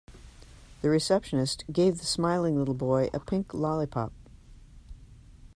The receptionist gave the smiling little boy a pink lollipop.